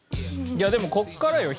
いやでもここからよ。